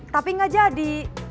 tapi nggak jadi